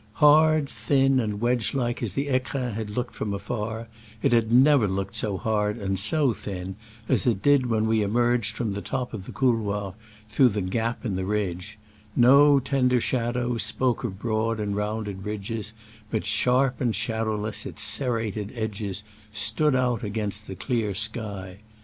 Hard, thin and wedge like as the fecrins had looked from afar, it had never looked so hard and so thin as it did when we emerged from the top of the couloir through the gap in the ridge: no tender shadows spoke of broad and rounded ridges, but sharp and shadowless its serrated edges stood out against the clear sky.